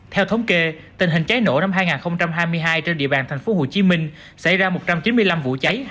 theo thống kê tình hình cháy nổ năm hai nghìn hai mươi hai trên địa bàn thành phố hồ chí minh xảy ra một trăm chín mươi năm vụ cháy